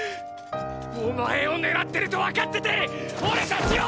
お前を狙ってると分かってて俺たちを！！